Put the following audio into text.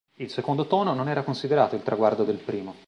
Il secondo tono non era considerato il traguardo del primo.